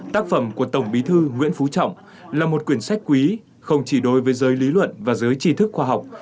tác phẩm của tổng bí thư nguyễn phú trọng là một quyển sách quý không chỉ đối với giới lý luận và giới trí thức khoa học